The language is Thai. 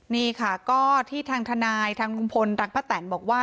นี่ค่ะก็ที่ทางทนายทางกลุ่มพลทางพระแตนบอกว่า